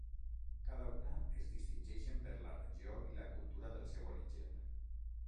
Cada una es distingeixen per la regió i la cultura del seu origen.